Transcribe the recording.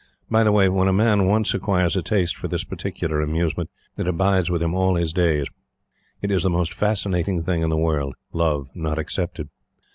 By the way, when a man once acquires a taste for this particular amusement, it abides with him all his days. It is the most fascinating thing in the world; Love not excepted.